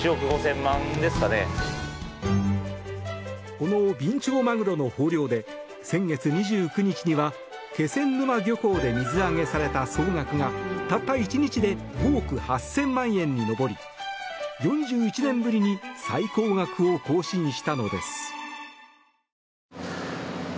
このビンチョウマグロの豊漁で先月２９日には気仙沼漁港で水揚げされた総額がたった１日で５億８０００万円に上り４１年ぶりに最高額を更新したのです。